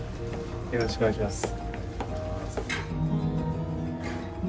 よろしくお願いします。